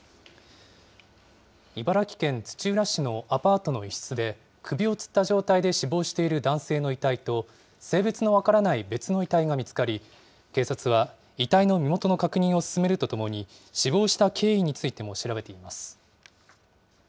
茨城県土浦市のアパートの一室で、首をつった状態で死亡している男性の遺体と、性別の分からない別の遺体が見つかり、警察は遺体の身元の確認を進めるとともに、死亡した経緯についても調べています。